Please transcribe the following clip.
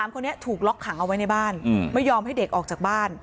คนนี้ถูกล็อกขังเอาไว้ในบ้านไม่ยอมให้เด็กออกจากบ้าน